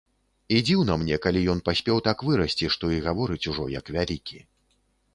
І дзіўна мне, калі ён паспеў так вырасці, што і гаворыць ужо як вялікі.